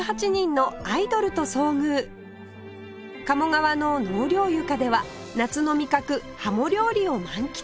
鴨川の納涼床では夏の味覚ハモ料理を満喫